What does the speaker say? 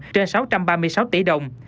trên sáu trăm ba mươi sáu tỷ đồng